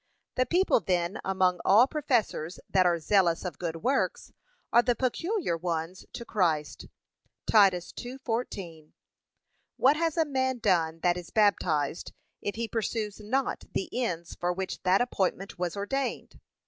The people then among all professors that are zealous of good works are the peculiar ones to Christ. (Titus 2:14) What has a man done that is baptized, if he pursues not the ends for which that appointment was ordained.